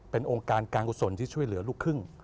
เป็นองค์การการกุศลที่ช่วยเหลือลูกครึ่ง